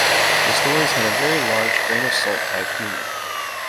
The stories had a very large grain-of-salt-type humor.